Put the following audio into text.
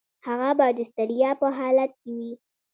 هغه به د ستړیا په حالت کې وي.